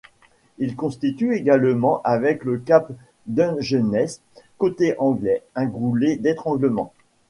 Il constitue également, avec le cap Dungeness côté anglais, un goulet d'étranglement.